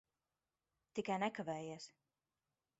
Tikai nekavējies.